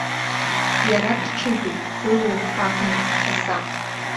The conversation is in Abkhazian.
Иара дҽыжәуп, дылоуп абна, афаса!